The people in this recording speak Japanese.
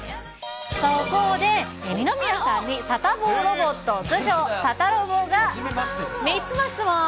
そこで、二宮さんにサタボーロボット、通称サタロボが３つの質問。